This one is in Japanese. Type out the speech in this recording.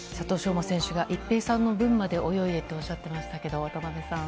馬選手が一平さんの分まで泳いでとおっしゃってましたけど、渡辺さん。